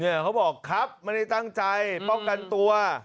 เขาบอกครับไม่ได้ตั้งใจป้องกันตัว